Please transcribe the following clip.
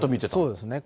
そうですね。